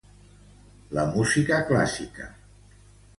La música clàssica.